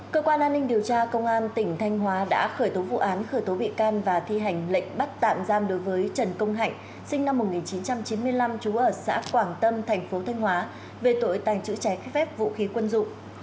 cơ quan an ninh điều tra công an tỉnh thanh hóa đã khởi tố vụ án khởi tố bị can và thi hành lệnh bắt tạm giam đối với trần công hạnh sinh năm một nghìn chín trăm chín mươi năm trú ở xã quảng tâm thành phố thanh hóa về tội tàng trữ trái phép vũ khí quân dụng